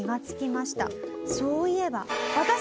そういえば。